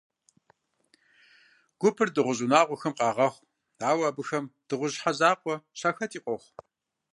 Гупыр дыгъужь унагъуэхэм къагъэхъу, ауэ абыхэм дыгъужь щхьэ закъуэ щахэти къохъу.